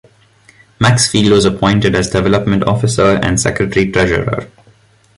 Maxfield was appointed as Development Officer and Secretary Treasurer.